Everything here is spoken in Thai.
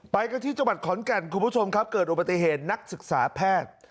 ไปกันที่จังหวัดขอนแก่นคุณผู้ชมครับเกิดอุบัติเหตุนักศึกษาแพทย์